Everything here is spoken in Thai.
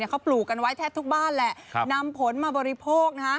เขาปลูกกันไว้แทบทุกบ้านตั้งผลมะบริโภค